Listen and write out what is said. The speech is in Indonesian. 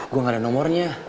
gue gak ada nomornya